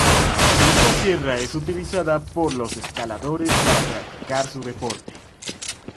Esta sierra es utilizada por los escaladores para practicar su deporte.